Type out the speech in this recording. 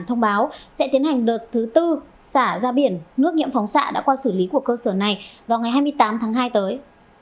thông báo sẽ tiến hành đợt thứ tư xả ra biển nước nghiệm phóng xạ đã qua xử lý của cơ sở này vào ngày hai mươi tám tháng hai tới